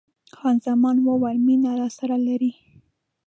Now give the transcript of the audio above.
خان زمان وویل: مینه راسره لرې؟